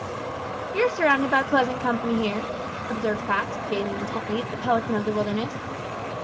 "You're surrounded by pleasant company here," observed Pax, gazing intently at the pelican of the wilderness.